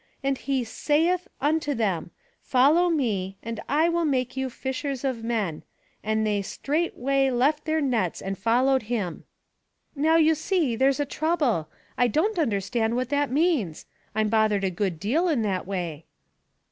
'And he saith unto them: ''Follow me, and I will make you fishers of men. And they straightway left theii nets and followed him.' "" Now, you see, there's a trouble. I don't un derstand what that means. I'm bothered a good deal in that way."